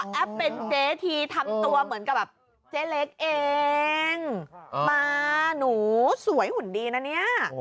เป็นเจ๊ทีทำตัวเหมือนกับแบบเจ๊เล็กเองมาหนูสวยหุ่นดีนะเนี่ย